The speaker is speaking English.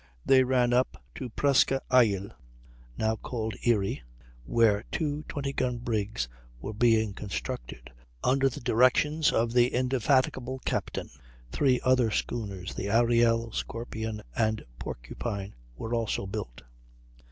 They ran up to Presque Isle (now called Erie), where two 20 gun brigs were being constructed under the directions of the indefatigable captain. Three other schooners, the Ariel, Scorpion, and Porcupine, were also built.